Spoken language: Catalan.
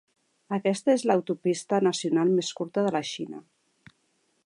Aquesta és l'autopista nacional més curta de la Xina.